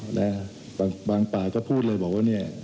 กำคับบางป่าวก็พูดเลยบอกว่า